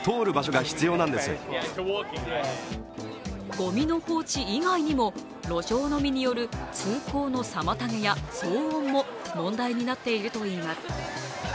ごみの放置以外にも、路上飲みによる通行の妨げや騒音も問題になっているといいます。